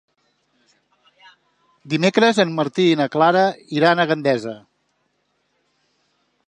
Dimecres en Martí i na Clara iran a Gandesa.